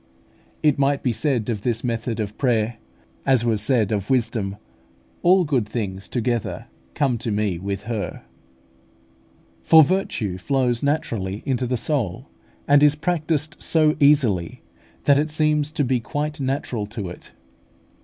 It might be said of this method of prayer, as was said of Wisdom, "All good things together come to me with her" (Wisdom of Solomon vii. 11), for virtue flows naturally into the soul, and is practised so easily, that it seems to be quite natural to it.